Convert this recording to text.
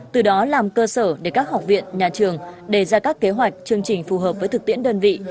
từ đó làm cơ sở để các học viện nhà trường đề ra các kế hoạch chương trình phù hợp với thực tiễn đơn vị